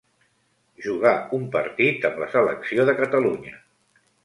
Jugà un partit amb la selecció de Catalunya.